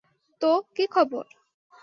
তো, কী খবর?